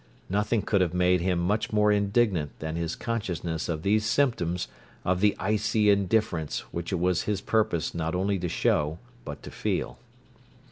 Nothing could have made him much more indignant than his consciousness of these symptoms of the icy indifference which it was his purpose not only to show but to feel.